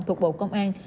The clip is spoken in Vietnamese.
thuộc bộ công an